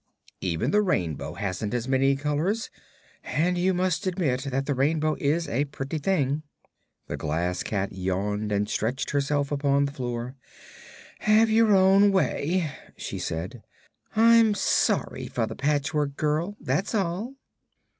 Even the rainbow hasn't as many colors, and you must admit that the rainbow is a pretty thing." The Glass Cat yawned and stretched herself upon the floor. "Have your own way," she said. "I'm sorry for the Patchwork Girl, that's all."